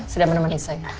sudah menemani saya